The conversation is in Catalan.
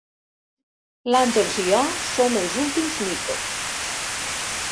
L'Àngels i jo som els últims micos!